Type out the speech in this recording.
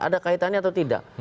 ada kaitannya atau tidak